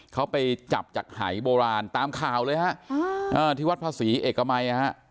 เขาไปจับจากหายโบราณตามข่าวเลยฮะที่วัดภาษีเอกมัยนะฮะ